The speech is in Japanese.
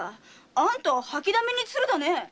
あんた「掃き溜めに鶴」だねえ。